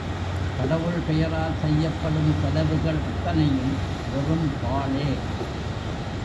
கடவுள் பெயரால் செய்யப்படும் செலவுகள் அத்தனையும் வெறும் பாழே.